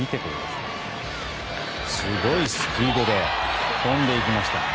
すごいスピードで飛んでいきました。